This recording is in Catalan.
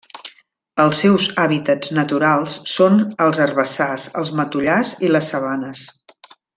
Els seus hàbitats naturals són els herbassars, els matollars i les sabanes.